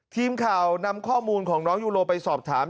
ทีมข่าวนำข้อมูลของน้องยูโรไปสอบถาม